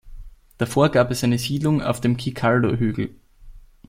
Davor gab es eine Siedlung auf dem Cicaldo-Hügel.